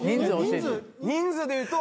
人数で言うと。